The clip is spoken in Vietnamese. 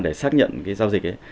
để xác nhận giao dịch ấy